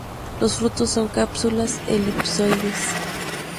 Los frutos son cápsulas elipsoides.